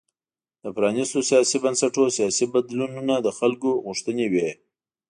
د پرانیستو سیاسي بنسټونو سیاسي بدلونونه د خلکو غوښتنې وې.